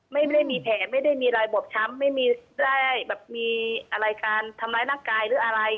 ไม่ได้มีแผลไม่ได้มีรอยบอบช้ำไม่มีได้แบบมีอะไรการทำร้ายร่างกายหรืออะไร